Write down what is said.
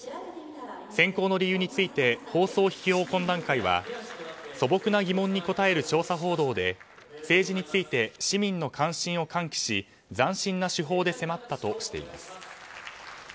選考の理由について放送批評懇談会は素朴な疑問に応える調査報道で政治について市民の関心を喚起し斬新な手法で迫ったとしています。